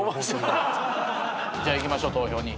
じゃいきましょう投票に。